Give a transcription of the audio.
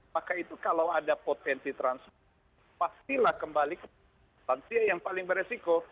maka itu kalau ada potensi transmisi pastilah kembali kepada lansia yang paling beresiko